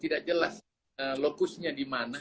tidak jelas lokusnya dimana